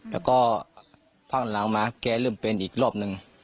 แล้วก็พักหลังมาแกเริ่มเป็นอีกรอบนึง